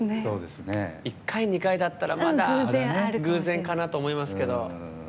１回、２回だったらまだ偶然かなと思いますけれど。